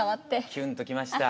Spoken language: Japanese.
キュンときました。